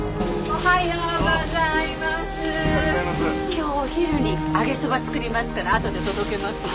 今日お昼に揚げそば作りますからあとで届けますね。